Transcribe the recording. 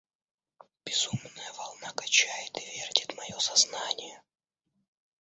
Безумная волна качает и вертит мое сознание...